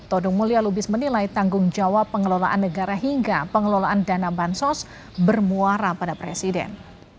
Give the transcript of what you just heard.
todung mulya lubis menilai tanggung jawab pengelolaan negara hingga pengelolaan dana bansos bermuara pada presiden